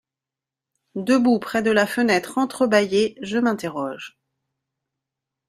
Debout près de la fenêtre entrebâillée, je m’interroge.